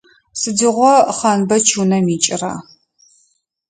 Сыдигъо Хъанбэч унэм икӏыра?